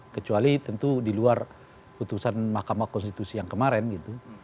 kecuali tentu di luar putusan mahkamah konstitusi yang kemarin gitu